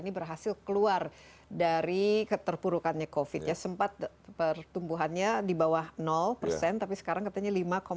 di bawah tapi sekarang katanya lima enam puluh tiga